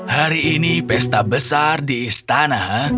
hari ini pesta besar di istana